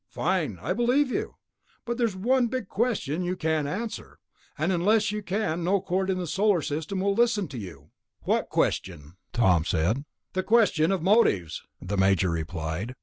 Fine. I believe you. But there's one big question that you can't answer, and unless you can no court in the Solar System will listen to you." "What question?" Tom said. "The question of motives," the Major replied.